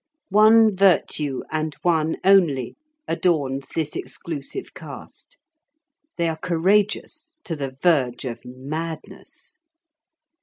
One virtue, and one only, adorns this exclusive caste; they are courageous to the verge of madness.